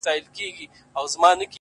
او په وجود كي مي ـ